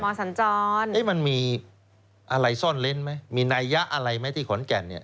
สัญจรมันมีอะไรซ่อนเล้นไหมมีนัยยะอะไรไหมที่ขอนแก่นเนี่ย